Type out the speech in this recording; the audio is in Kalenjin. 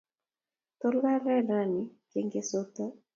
Tos, kalel rani kengetsoti?